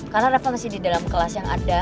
karena reva masih di dalam kelasnya